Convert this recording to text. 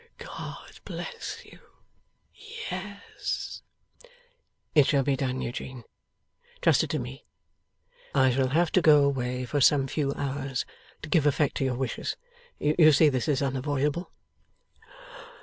God bless you! Yes.' 'It shall be done, Eugene. Trust it to me. I shall have to go away for some few hours, to give effect to your wishes. You see this is unavoidable?